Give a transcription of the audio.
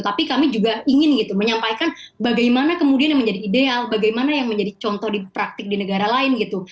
tapi kami juga ingin gitu menyampaikan bagaimana kemudian yang menjadi ideal bagaimana yang menjadi contoh di praktik di negara lain gitu